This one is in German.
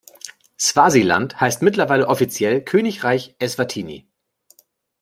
Swasiland heißt mittlerweile offiziell Königreich Eswatini.